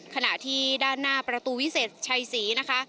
ขณะที่ด้านหน้าประตูวิเศษชัยศรีนะคะ